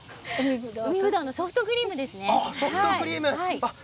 海ぶどうのソフトクリームです。